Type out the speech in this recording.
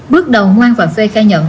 bước đầu ngoan và phê khai nhận